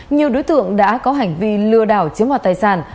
nhiều đối tượng đã có hành vi lừa đảo chiếm hoạt tài sản